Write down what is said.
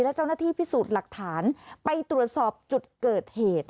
และเจ้าหน้าที่พิสูจน์หลักฐานไปตรวจสอบจุดเกิดเหตุ